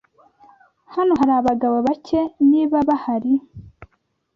Hano hari abagabo bake, niba bahari.